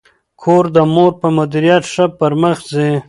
کور د مور په مدیریت ښه پرمخ ځي.